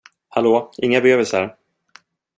Hallå, inga bebisar!